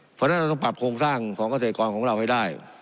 เพราะฉะนั้นเราต้องปรับโครงสร้างของเกษตรกรของเราให้ได้